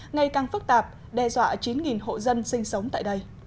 ngày càng phức tạp đe dọa chín hộ dân sinh sống tại đây